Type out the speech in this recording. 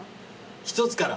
１つから？